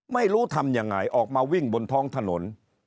ไม่รู้ทำยังไงออกมาวิ่งบนท้องถนน